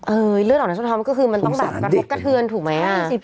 เลือดออกในสะท้อนมันก็คือมันต้องแบบกระทบกระเทือนถูกไหม